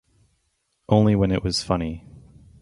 Only when it was "funny"!